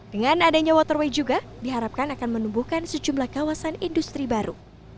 dengan adanya waterway juga diharapkan akan menumbuhkan sejumlah kawasan industri baru